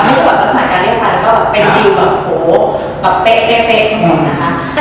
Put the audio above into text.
ไม่ใช่ว่าสนักศาลการณ์เรียกไปแต่ก็เป็นดิวแบบโหแบบเป๊ะทั้งหมดนะคะ